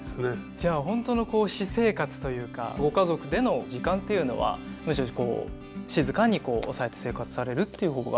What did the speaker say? じゃあ本当のこう私生活というかご家族での時間っていうのはむしろこう静かに抑えて生活されるっていう方が？